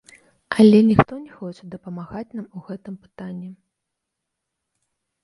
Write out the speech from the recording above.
Але ніхто не хоча дапамагаць нам у гэтым пытанні.